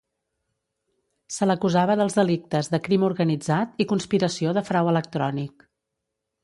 Se l'acusava dels delictes de crim organitzat i conspiració de frau electrònic.